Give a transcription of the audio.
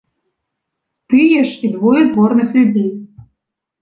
Тыя ж і двое дворных людзей.